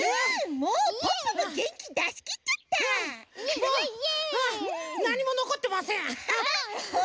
もうもうなにものこってません！